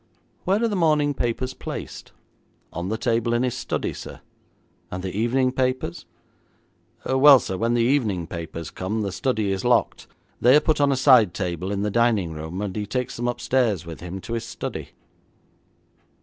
'Where are the morning papers placed?' 'On the table in his study, sir.' 'And the evening papers?' 'Well, sir, when the evening papers come, the study is locked. They are put on a side table in the dining room, and he takes them upstairs with him to his study.'